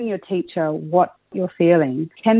memberitahu pelajar apa yang anda rasakan